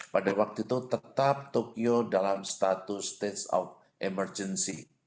pada waktu itu tetap tokyo dalam status stage of emergency